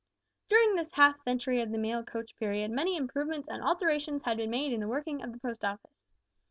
"During this half century of the mail coach period many improvements and alterations had been made in the working of the Post Office.